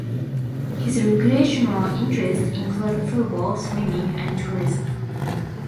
His recreational interests include football, swimming, and tourism.